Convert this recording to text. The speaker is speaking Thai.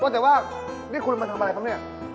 แต่ว่านี่คุณมาทำอะไรครับเนี่ย